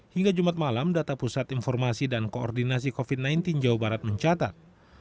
hingga jumat malam data pusat informasi dan koordinasi covid sembilan belas jawa barat mencatat